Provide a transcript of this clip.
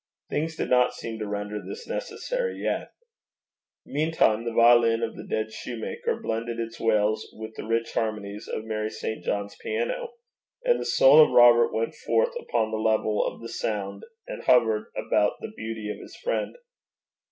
Things did not seem to render this necessary yet. Meantime the violin of the dead shoemaker blended its wails with the rich harmonies of Mary St. John's piano, and the soul of Robert went forth upon the level of the sound and hovered about the beauty of his friend.